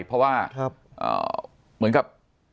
เพราะว่าเหมือนกับ